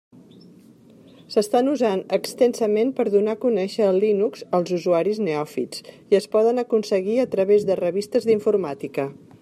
S'estan usant extensament per donar a conèixer el Linux als usuaris neòfits, i es poden aconseguir a través de revistes d'informàtica.